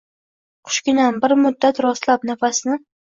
Qushginam, bir muddat rostlab nafasni